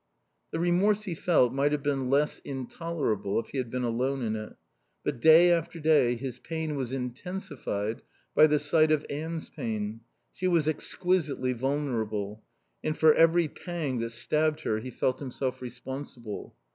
The remorse he felt might have been less intolerable if he had been alone in it; but, day after day, his pain was intensified by the sight of Anne's pain. She was exquisitely vulnerable, and for every pang that stabbed her he felt himself responsible.